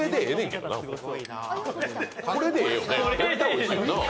これでええよね。